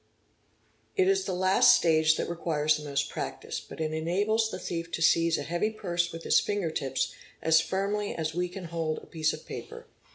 It is the last stage that Fig. 148a. requires the most practice, but it enables the thief to seize a heavy purse with his fingertips as firmly as we can hold a piece of paper.